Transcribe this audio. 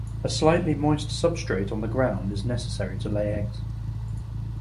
A slightly moist substrate on the ground is necessary to lay eggs.